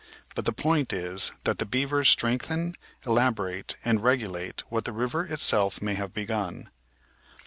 But the point is that the beavers strengthen, elaborate, and regulate what the river itself may have begun.